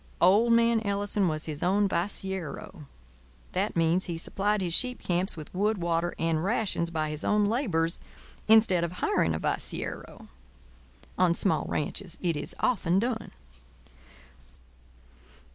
Old man Ellison was his own vaciero. That means that he supplied his sheep camps with wood, water, and rations by his own labours instead of hiring a vaciero. On small ranches it is often done.